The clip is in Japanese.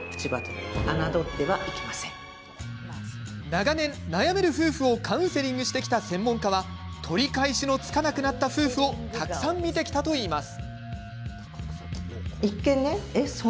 長年悩める夫婦をカウンセリングしてきた専門家は取り返しのつかなくなった夫婦をたくさん見てきたといいます。